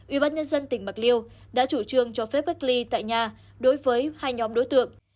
ubnd tỉnh bạc liêu đã chủ trương cho phép cách ly tại nhà đối với hai nhóm đối tượng